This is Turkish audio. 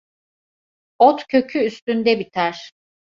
Ot kökü üstünde biter.